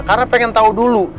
karena pengen tau dulu